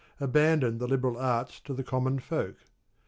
abandoned the liberal arts to the common folk.